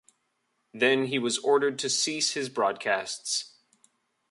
Then he was ordered to cease his broadcasts.